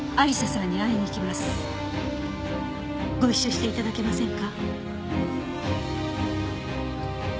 ご一緒していただけませんか？